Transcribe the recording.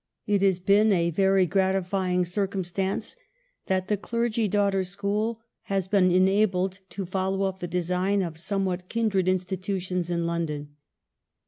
" It has been a very gratifying circumstance that the Clergy Daughters' School has been en abled to follow up the design of somewhat kin dred institutions in London.